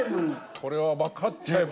これはわかっちゃえば。